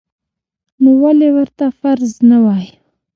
نو ولې ورته فرض نه وایو؟